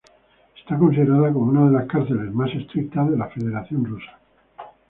Está considerada como una de las cárceles "más estrictas" de la Federación Rusa.